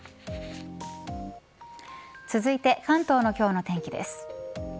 続いて、関東の今日の天気です。